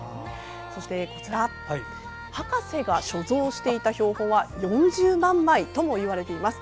そして、こちら博士が所蔵していた標本は４０万枚ともいわれています。